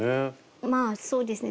まあそうですね。